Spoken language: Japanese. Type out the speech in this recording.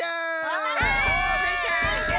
はい！スイちゃん！